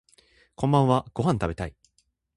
こんばんはご飯食べたい